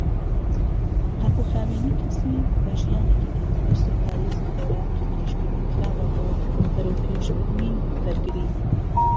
پاکوخاوێنی کەسی و ژیانێکی تەندروست و پارێزی خۆراک پێشبینیکراوە بۆ بەرەوپێشبردنی بەرگری.